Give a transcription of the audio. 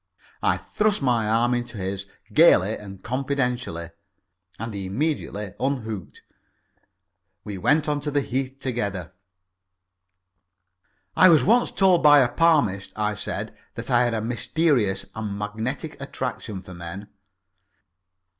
I thrust my arm into his gaily and confidentially, and he immediately unhooked. We went on to the Heath together. "I was once told by a palmist," I said, "that I had a mysterious and magnetic attraction for men."